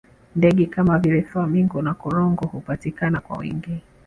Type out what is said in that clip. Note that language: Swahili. ndege Kama vile flamingo na korongo hupatikana kwa wingi